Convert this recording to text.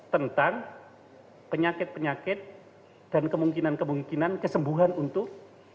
tentang penyakit penyakit dan kemungkinan kemungkinan kesembuhan untuk